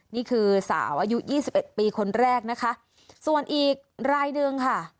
นี่คือสาวอายุยี่สิบเอ็ดปีคนแรกนะคะส่วนอีกรายหนึ่งค่ะ